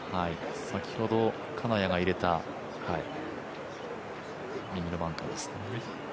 先ほど金谷が入れた右のバンカーです。